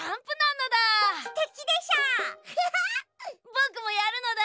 ぼくもやるのだ。